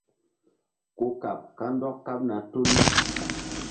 Ku kaɓ kandɔk kaɓna tul.